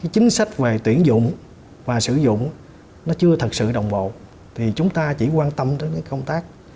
chính sách về tuyển dụng và sử dụng nó chưa thật sự đồng bộ thì chúng ta chỉ quan tâm đến công tác